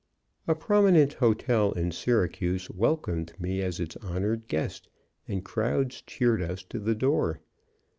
A prominent hotel in Syracuse welcomed me as its honored guest, and crowds cheered us to the door.